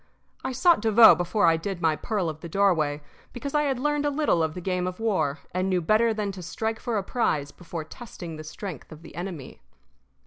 I sought Devoe before I did my pearl of the doorway, because I had learned a little of the game of war, and knew better than to strike for a prize before testing the strength of the enemy.